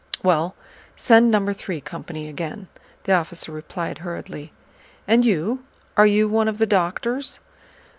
"Well, send number three company again," the officer replied hurriedly. "And you, are you one of the doctors?"